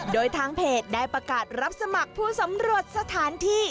โดยทางเพจได้ประกาศรับสมัครผู้สำรวจสถานที่